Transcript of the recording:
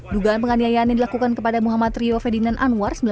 dugaan penganiayaan yang dilakukan kepada muhammad rio ferdinand anwar